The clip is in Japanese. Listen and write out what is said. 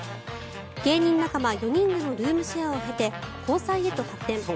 芸人仲間４人でのルームシェアを経て交際へと発展。